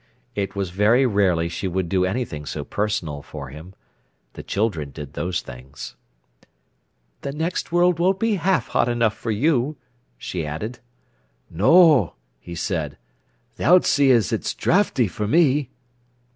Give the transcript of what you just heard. It was very rarely she would do anything so personal for him. The children did those things. "The next world won't be half hot enough for you," she added. "No," he said; "tha'lt see as it's draughty for me."